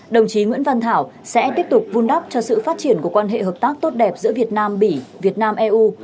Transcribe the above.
đồng chí nguyễn văn thảo sẽ tiếp tục vun đắp cho sự phát triển của quan hệ hợp tác tốt đẹp giữa việt nam bỉ việt nam eu